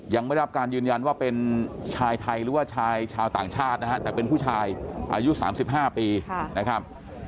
ยังไม่ได้รับการยืนยันว่าเป็นชายไทยหรือว่าชายชาวต่างชาตินะฮะแต่เป็นผู้ชายอายุ๓๕ปีนะครับ